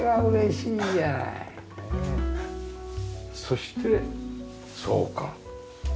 そしてそうか。